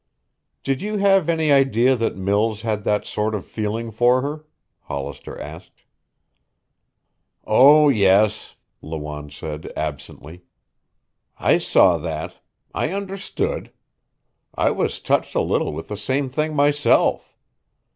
"Did you have any idea that Mills had that sort of feeling for her?" Hollister asked. "Oh, yes," Lawanne said absently. "I saw that. I understood. I was touched a little with the same thing myself.